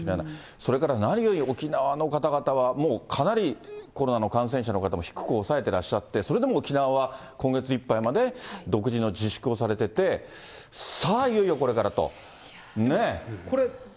それから沖縄の方々は、もうかなりコロナの感染者の方も低く抑えてらっしゃって、それでも沖縄は、今月いっぱいまで独自の自粛をされてて、さあ、いよいよこれからと、ねえ。